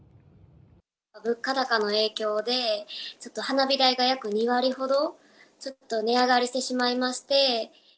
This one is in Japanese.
物価高の影響で、ちょっと花火代が約２割ほど値上がりしてしまいまして。